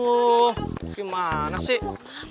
tuh gimana sih